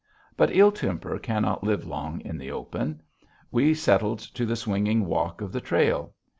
But ill temper cannot live long in the open. We settled to the swinging walk of the trail.